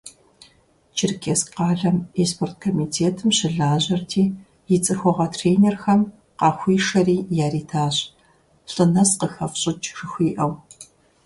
Черкесск къалэм и спорткомитетым щылажьэрти, и цӏыхугъэ тренерхэм къахуишэри яритащ, лӏы нэс къыхэфщӏыкӏ жыхуиӏэу.